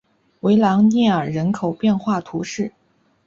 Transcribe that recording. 维朗涅尔人口变化图示